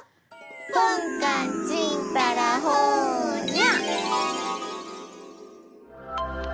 ぽんかんちんたらほにゃ！